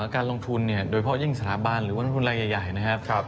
การลงทุนเนี่ยโดยเฉพาะยิ่งสถาบันหรือว่านักทุนรายใหญ่นะครับ